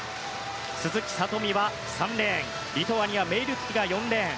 鈴木聡美は３レーンリトアニアメイルティテが４レーン。